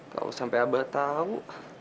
kalau sampai asma tahu